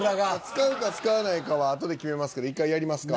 使うか使わないかはあとで決めますけど１回やりますか。